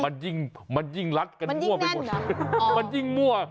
น้องอายตองฮะ